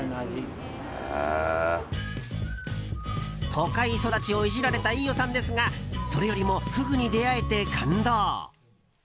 都会育ちをイジられた飯尾さんですがそれよりもフグに出会えて感動！